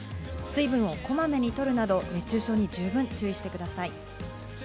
水分をこまめに取るなど、熱中症に十分注意してください。